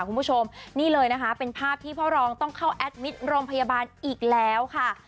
คุณผู้ชมนี่เลยนะคะเป็นภาพที่พ่อรองต้องเข้าแอดมิตรโรงพยาบาลอีกแล้วค่ะ